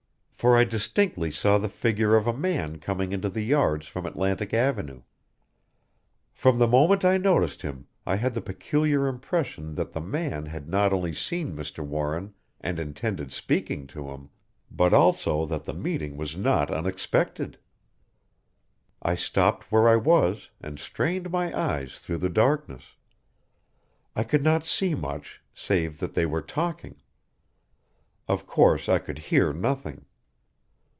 "For I distinctly saw the figure of a man coming into the yards from Atlantic Avenue. From the moment I noticed him I had the peculiar impression that the man had not only seen Mr. Warren and intended speaking to him but also that the meeting was not unexpected. I stopped where I was and strained my eyes through the darkness "I could not see much save that they were talking. Of course I could hear nothing.